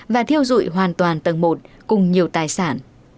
và thiêu dụi hoàn toàn tầng một cùng nhiều tài sản